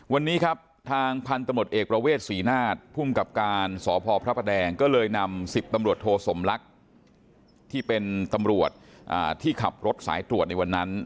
วันนี้ครับทางพันธุ์ตำรวจเอกประเวทศรีนาศภูมิกับการสพพระประแดงก็เลยนำ๑๐ตำรวจโทสมลักษณ์ที่เป็นตำรวจที่ขับรถสายตรวจในวันนั้น